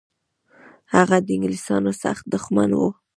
هغه د انګلیسانو سخت دښمن و.